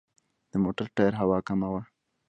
د موټر ټایر هوا کمه وه.